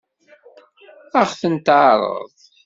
Ad ɣ-ten-teɛṛeḍ?